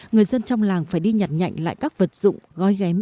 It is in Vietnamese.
người dân trong làng phải đi nhặt nhạnh lại các vật dụng gói ghém